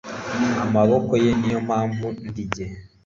amaboko ye niyo mpamvu ndi njye